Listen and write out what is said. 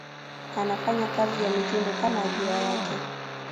anafanya kazi ya mitindo Kama ajira yake